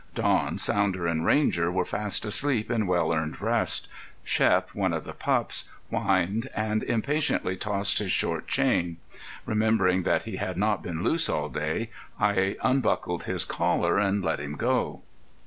Don, Sounder, and Ranger were fast asleep in well earned rest. Shep, one of the pups, whined and impatiently tossed his short chain. Remembering that he had not been loose all day, I unbuckled his collar and let him go.